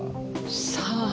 さあ？